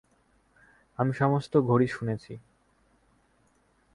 আমি সমস্ত ঘড়ি শুনেছি।